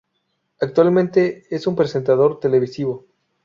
Actualmente es un presentador televisivo.